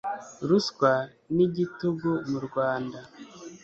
ruswa n'igitugu mu Rwanda